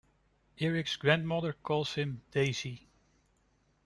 Eric's grandmother calls him "Desi".